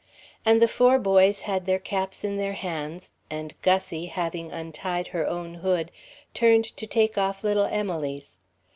And the four boys had their caps in their hands, and Gussie, having untied her own hood, turned to take off little Emily's.